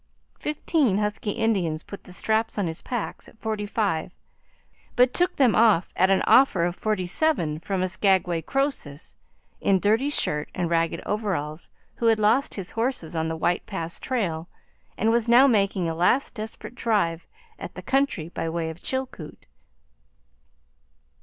Fifteen husky Indians put the straps on his packs at forty five, but took them off at an offer of forty seven from a Skaguay Croesus in dirty shirt and ragged overalls who had lost his horses on the White Pass trail and was now making a last desperate drive at the country by way of Chilkoot.